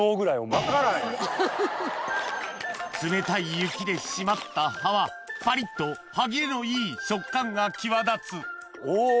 冷たい雪で締まった葉はパリっと歯切れのいい食感が際立つお。